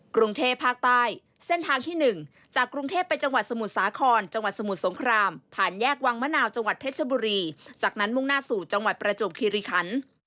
กรุงเทพภาคใต้เส้นทางที่๑จากกรุงเทพไปจังหวัดสมุทรสาครจังหวัดสมุทรสงครามผ่านแยกวังมะนาวจังหวัดเพชรบุรีจากนั้นมุ่งหน้าสู่จังหวัดประจวบคิริคัน